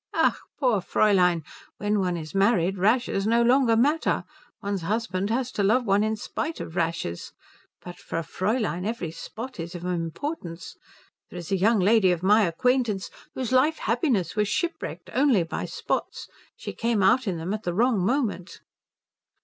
"Ach, poor Fräulein. When one is married, rashes no longer matter. One's husband has to love one in spite of rashes. But for a Fräulein every spot is of importance. There is a young lady of my acquaintance whose life happiness was shipwrecked only by spots. She came out in them at the wrong moment."